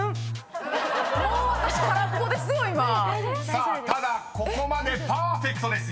［さあただここまでパーフェクトです。